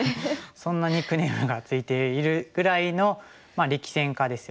そんなニックネームが付いているぐらいの力戦家ですよね。